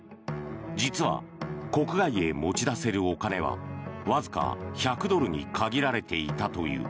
実は国外へ持ち出せるお金はわずか１００ドルに限られていたという。